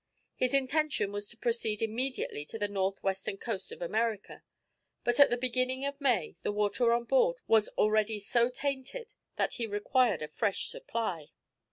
His intention was to proceed immediately to the north western coast of America, but at the beginning of May the water on board was already so tainted that he required a fresh supply.